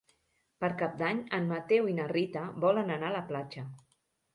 Per Cap d'Any en Mateu i na Rita volen anar a la platja.